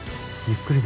ゆっくり。